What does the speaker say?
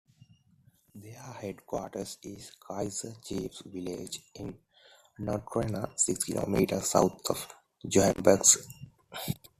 Their headquarters is "Kaizer Chiefs Village", in Naturena, six kilometres south of Johannesburg.